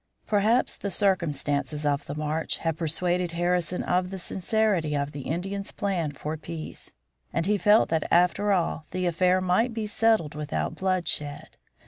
Perhaps the circumstances of the march had persuaded Harrison of the sincerity of the Indians' plan for peace, and he felt that after all the affair might be settled without bloodshed.